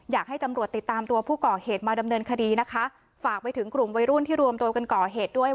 อยากให้ตำรวจติดตามตัวผู้ก่อเหตุมาดำเนินคดีนะคะฝากไปถึงกลุ่มวัยรุ่นที่รวมตัวกันก่อเหตุด้วย